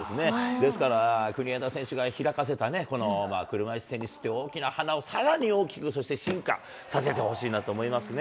ですから、国枝選手が開かせたね、この車いすテニスっていう花をさらに大きく進化させてほしいなと思いますね。